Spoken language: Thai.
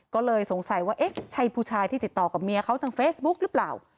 ก็เลยสงสัยว่าเอ๊ะใช่ผู้ชายที่ติดต่อกับเมียเขาทางเฟซบุ๊กหรือเปล่า